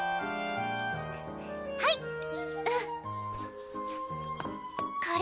はいうんこれ